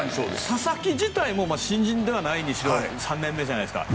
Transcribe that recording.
佐々木自体も新人ではないにしろ３年目じゃないですか。